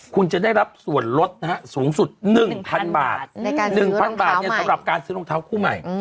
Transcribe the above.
คุณจะได้รับส่วนลดสูงสุด๑๐๐๐บาท๑๐๐บาทสำหรับการซื้อรองเท้าคู่ใหม่